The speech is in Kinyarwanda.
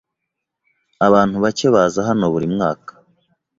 Abantu bake baza hano buri mwaka.